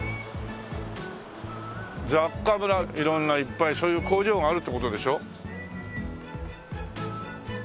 「雑貨村」色んないっぱいそういう工場があるって事でしょ？